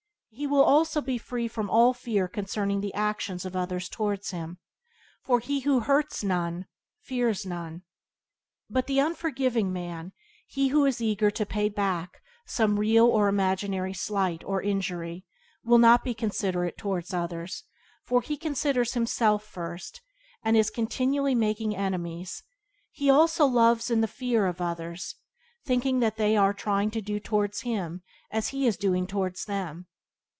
He will also be free from all fear concerning the actions of others towards him, for he who hurts none fears none. But the unforgiving man, he who is eager to "pay back" some real or imaginary slight or injury, will not be considerate towards others, for he considers himself first, and is continually making enemies; he also loves in the fear of others, thinking that that they are trying to do towards him as he is doing towards them.